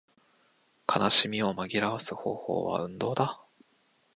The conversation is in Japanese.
悲しみを紛らわす方法は運動だ